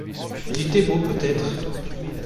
Il était beau peut-être.